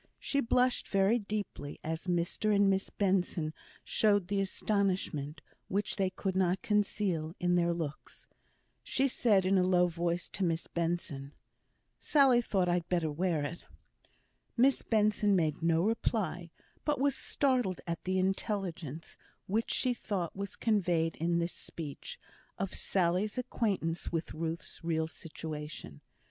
She blushed very deeply as Mr and Miss Benson showed the astonishment, which they could not conceal, in their looks. She said in a low voice to Miss Benson, "Sally thought I had better wear it." Miss Benson made no reply; but was startled at the intelligence, which she thought was conveyed in this speech, of Sally's acquaintance with Ruth's real situation.